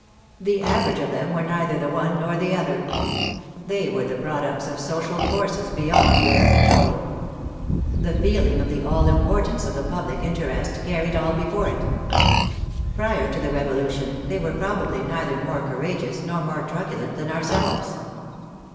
The average of them were neither the one nor the other. They were the products of social forces beyond their control. The feeling of the all importance of the public interest carried all before it. Prior to the Revolution, they were prob ably neither more courageous nor more truculent than ourselves.